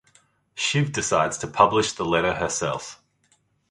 Shiv decides to publish the letter herself.